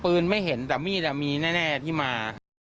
ไม่เห็นแต่มีดมีแน่ที่มา